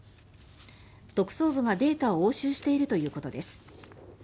特捜部がデータを押収しているということです。